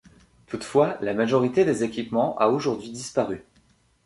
Toutefois, la majorité des équipements a aujourd'hui disparu.